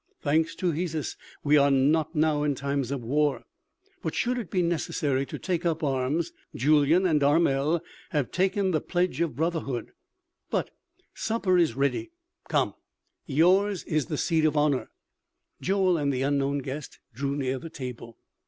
Thanks to Hesus we are not now in times of war. But should it be necessary to take up arms, Julyan and Armel have taken 'the pledge of brotherhood'.... But supper is ready.... Come, yours is the seat of honor." Joel and the unknown guest drew near the table.